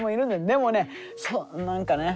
でもね何かね